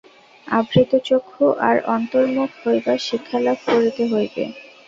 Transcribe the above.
আবৃতচক্ষু বা অন্তর্মুখ হইবার শিক্ষালাভ করিতে হইবে।